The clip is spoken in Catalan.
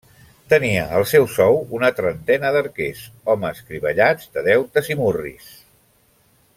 Tenia al seu sou una trentena d'arquers, homes crivellats de deutes i murris.